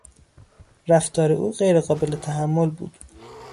رفتار او غیر قابل تحمل بود.